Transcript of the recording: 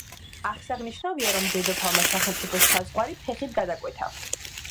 აღსანიშნავია, რომ დედოფალმა სახელმწიფო საზღვარი ფეხით გადაკვეთა.